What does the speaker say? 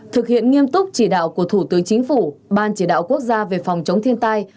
thực hiện nghiêm túc chỉ đạo của thủ tướng chính phủ ban chỉ đạo quốc gia về phòng chống thiên tai